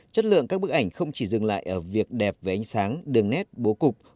chất lượng các bức ảnh không chỉ dừng lại ở việc đẹp về ánh sáng đường nét bố cục